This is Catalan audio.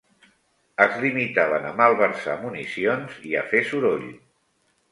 Es limitaven a malversar municions i a fer soroll